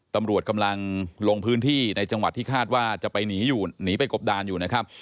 ตำรวจกำลังลงพื้นที่ในจังหวัดที่คาดว่าจะไปหนีอยู่หนีไปกบดานอยู่นะครับ